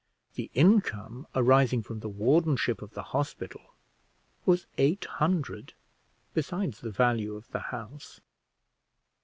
The income arising from the wardenship of the hospital was eight hundred, besides the value of the house.